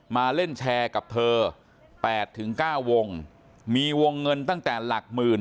มาเล่นแชร์กับเธอ๘๙วงมีวงเงินตั้งแต่หลักหมื่น